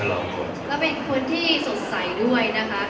แล้วเป็นคนที่สดใสด้วยนะคะ